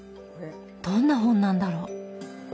どんな本なんだろう。